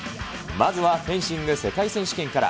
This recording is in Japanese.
まずはフェンシング世界選手権から。